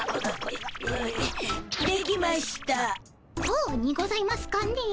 こうにございますかね。